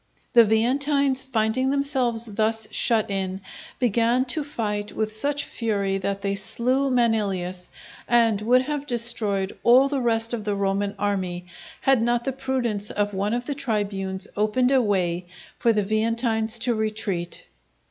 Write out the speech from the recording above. The Veientines finding themselves thus shut in, began to fight with such fury that they slew Manilius, and would have destroyed all the rest of the Roman army, had not the prudence of one of the tribunes opened a way for the Veientines to retreat.